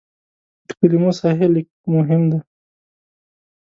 د کلمو صحیح لیک مهم دی.